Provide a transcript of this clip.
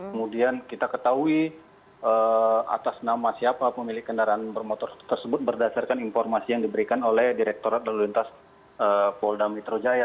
kemudian kita ketahui atas nama siapa pemilik kendaraan bermotor tersebut berdasarkan informasi yang diberikan oleh direkturat lalu lintas polda metro jaya